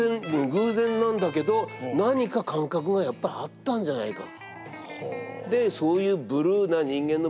偶然なんだけど何か感覚がやっぱりあったんじゃないか。